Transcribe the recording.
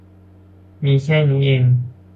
มีแค่นี้เอง